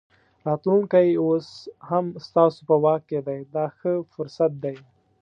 راتلونکی اوس هم ستاسو په واک دی دا ښه فرصت دی.